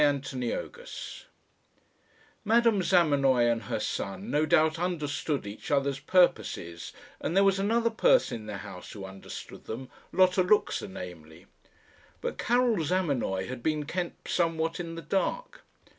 CHAPTER VII Madame Zamenoy and her son no doubt understood each other's purposes, and there was another person in the house who understood them Lotta Luxa, namely; but Karil Zamenoy had been kept somewhat in the dark.